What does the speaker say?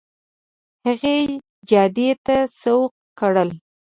هغې جادې ته سوق کړل.